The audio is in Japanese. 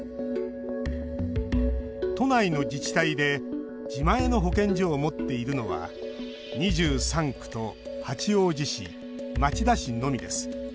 都内の自治体で自前の保健所を持っているのは２３区と八王子市、町田市のみです。